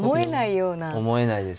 思えないですね。